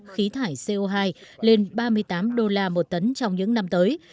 khí thải co hai lên ba mươi tám đô la một tấn trong những năm tới